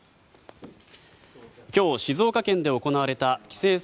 今日、静岡県で行われた棋聖戦